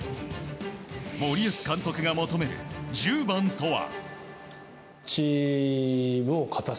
森保監督が求める１０番とは。